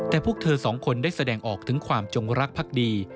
แต่พวกเธอสองคนได้แสดงออกถึงความจงรักพักดี